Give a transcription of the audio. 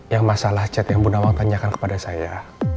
yang masalah chat yang bu nawang tanyakan kepada saya